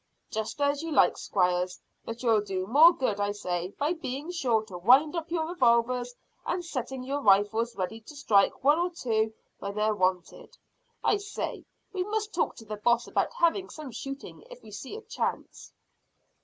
"Just as you like, squires, but you'll do more good, I say, by being sure to wind up your revolvers and setting your rifles ready to strike one or two when they're wanted. I say, we must talk to the boss about having some shooting if we see a chance."